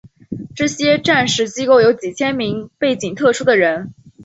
这些战时机构有几千名背景特殊的人。